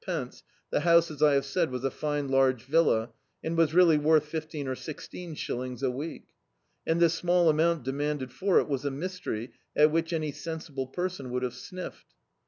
— the house, as I have said, was a fine large villa, and was really worth fifteen or sixteen shillings a week; and this small amount demanded for it, was a mystery at which any sensible person would have sniffed.